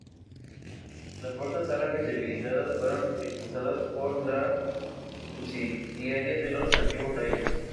Las fuerzas árabes debilitadas fueron expulsadas por las subsidiarias de los antiguos reyes.